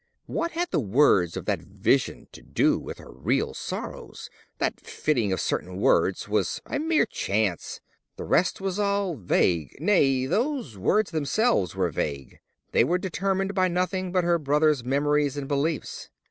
What had the words of that vision to do with her real sorrows? That fitting of certain words was a mere chance; the rest was all vague—nay, those words themselves were vague; they were determined by nothing but her brother's memories and beliefs.